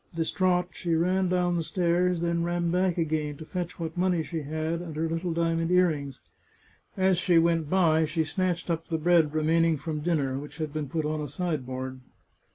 Distraught, she ran down the stairs, then ran back again, to 468 The Chartreuse of Parma fetch what money she had, and her Httle diamond earrings. As she went by she snatched up the bread remaining from dinner, which had been put on a sideboard.